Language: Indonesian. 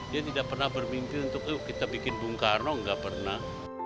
dia tidak pernah bermimpi untuk kita bikin bungka arno enggak pernah